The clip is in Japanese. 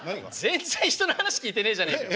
全然人の話聞いてねえじゃねえかよ。